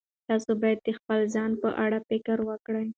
تاسو باید د خپل ځان په اړه فکر وکړئ.